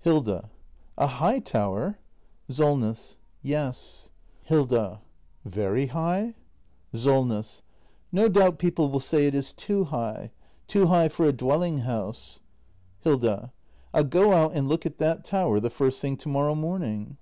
Hilda. A high tower ? Solness. Yes. act i] THE MASTER BUILDER 313 Hilda. Very high ? Solness. No doubt people will say it is too high — too high for a dwelling house. Hilda. I'll go out and look at that tower the first thing to morrow morning.